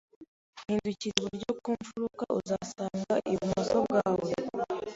Hindukirira iburyo ku mfuruka, uzasanga ibumoso bwawe.